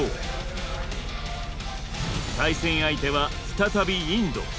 対戦相手は再びインド。